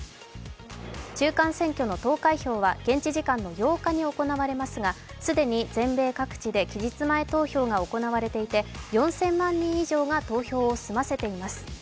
中間選挙の投開票は現地時間の８日に行われますが既に全米各地で期日前投票が行われていて４０００万人以上が投票を済ませています。